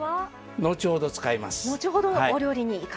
後ほど使います。